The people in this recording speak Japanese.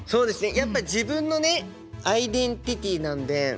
やっぱ自分のねアイデンティティーなんで。